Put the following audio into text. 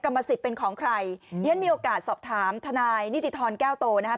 กรรมสิทธิ์เป็นของใครเดี๋ยวมีโอกาสสอบถามทนายนิติธรแก้วโตนะฮะ